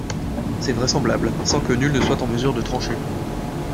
C'est vraisemblable, sans que nul ne soit en mesure de trancher.